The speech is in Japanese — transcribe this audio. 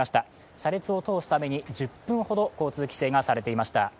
車列を通すために１０分ほど交通規制が行われました。